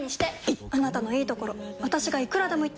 いっあなたのいいところ私がいくらでも言ってあげる！